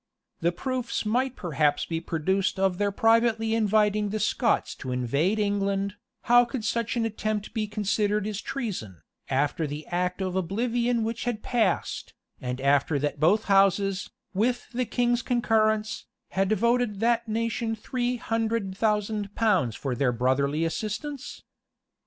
Though proofs might perhaps be produced of their privately inviting the Scots to invade England, how could such an attempt be considered as treason, after the act of oblivion which had passed, and after that both houses, with the king's concurrence, had voted that nation three hundred thousand pounds for their brotherly assistance?